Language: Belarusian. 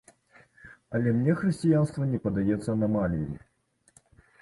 Але мне хрысціянства не падаецца анамаліяй.